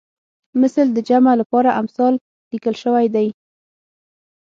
مثل د جمع لپاره امثال لیکل شوی دی